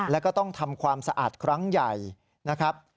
แล้วก็ต้องทำความสะอาดครั้งใหญ่นะครับ